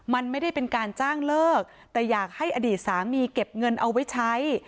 มันไม่ได้เป็นการจ้างเลิกแต่อยากให้อดีตสามีเก็บเงินเอาไว้ใช้